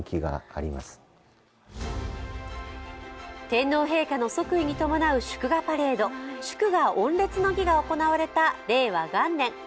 天皇陛下の即位に伴う祝賀パレード祝賀御列の儀が行われた令和元年。